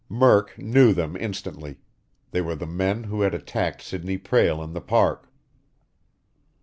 Murk knew them instantly; they were the men who had attacked Sidney Prale in the Park.